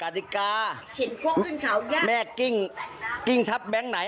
เท่าไร